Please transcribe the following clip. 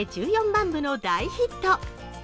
１４万部の大ヒット。